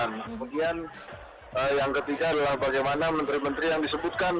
kemudian yang ketiga adalah bagaimana menteri menteri yang disebutkan